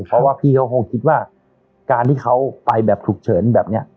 เพราะว่าพี่เขาคงคิดว่าการที่เขาไปแบบฉุกเฉินแบบนี้